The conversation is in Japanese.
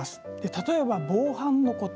例えば、防犯の細かいこと